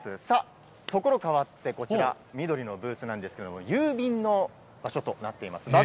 さあ、ところ変わって、こちら、緑のブースなんですけれども、郵便の場所となっています。